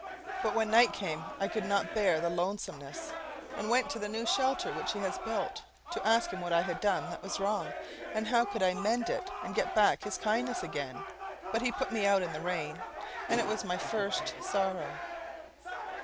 But when night came I could not bear the lonesomeness, and went to the new shelter which he has built, to ask him what I had done that was wrong and how I could mend it and get back his kindness again; but he put me out in the rain, and it was my first sorrow.